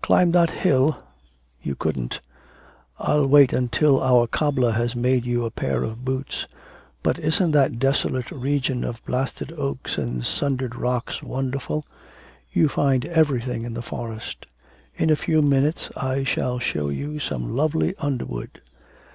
'Climb that hill! you couldn't. I'll wait until our cobbler has made you a pair of boots. But isn't that desolate region of blasted oaks and sundered rocks wonderful? You find everything in the forest. In a few minutes I shall show you some lovely underwood.'